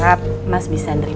dan maka ivo